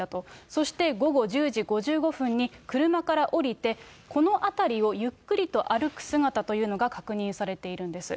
そして午後１０時５５分に車から降りて、この辺りをゆっくりと歩く姿というのが、確認されているんです。